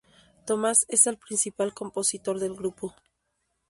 Thomas es el principal compositor del grupo.